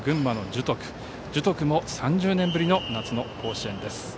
樹徳も３０年ぶりの夏の甲子園です。